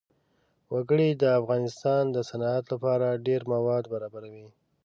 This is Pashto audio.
وګړي د افغانستان د صنعت لپاره ډېر مواد برابروي.